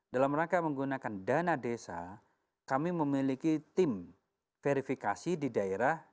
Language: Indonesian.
dalam rangka menggunakan dana desa kami memiliki tim verifikasi di daerah